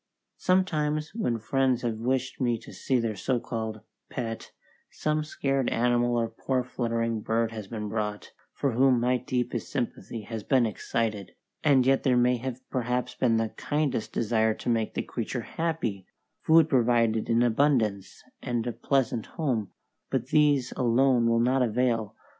Sometimes when friends have wished me to see their so called "pet," some scared animal or poor fluttering bird has been brought, for whom my deepest sympathy has been excited; and yet there may have been perhaps the kindest desire to make the creature happy, food provided in abundance, and a pleasant home; but these alone will not avail.